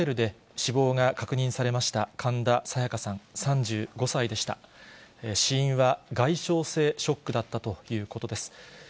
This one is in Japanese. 死因は外傷性ショックだったということです。